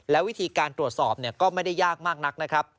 วิธีการตรวจสอบก็ไม่ได้ยากมากนักนะครับ